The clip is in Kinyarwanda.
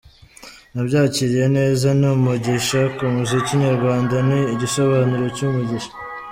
Nabyakiriye neza ni umugisha ku muziki nyarwanda, ni igisobanuro cy'umugisha.